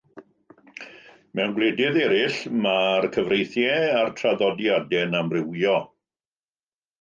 Mewn gwledydd eraill, mae'r cyfreithiau a'r traddodiadau'n amrywio.